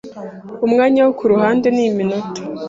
umwanya wo kuruhande ni iminota